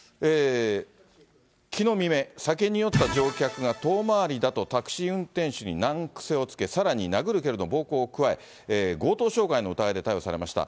きのう未明、酒に酔った乗客が遠回りだとタクシー運転手に難癖をつけ、さらに殴る蹴るの暴行を加え、強盗傷害の疑いで逮捕されました。